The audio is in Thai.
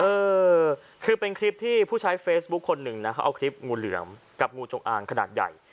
เออคือเป็นคลิปที่ผู้ใช้เฟซบุ๊คคนหนึ่งนะเขาเอาคลิปงูเหลือมกับงูจงอางขนาดใหญ่